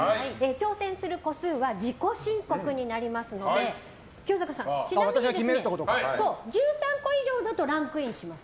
挑戦する個数は自己申告になりますので清塚さんちなみに１３個以上だとランクインします。